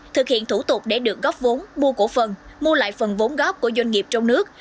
thực hiện thủ tục để được góp vốn mua cổ phần mua lại phần vốn góp của doanh nghiệp trong nước